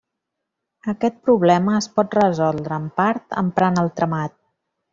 Aquest problema es pot resoldre, en part, emprant el tramat.